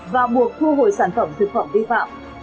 và buộc thu hồi sản phẩm thực phẩm vi phạm